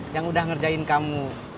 yang udah ngerjain kamu